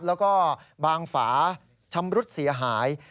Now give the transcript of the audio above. แล้วก็บางฝาชั้มรตเสียหาย